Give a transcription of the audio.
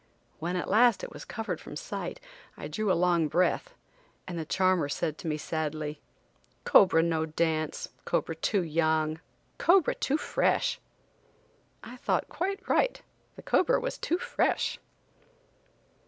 When at last it was covered from sight, I drew a long breath, and the charmer said to me sadly: "Cobra no dance, cobra too young, cobra too fresh!" I thought quite right; the cobra was too fresh!